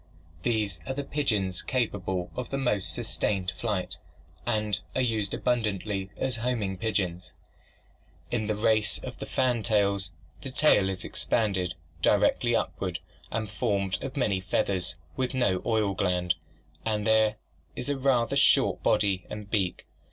These are the pigeons capable of the most sustained flight and are used abundantly as homing birds. In the race of fantails, the tail is expanded, directed upward and formed of many feathers, with no oil gland, and there is a rather short body and beak.